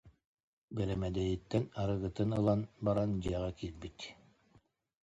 Бэрэмэдэйиттэн арыгытын ылан баран, дьиэҕэ киирбит